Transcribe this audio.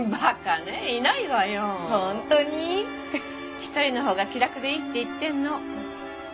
一人の方が気楽でいいって言ってんの。